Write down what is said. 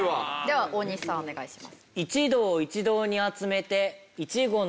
では大西さんお願いします。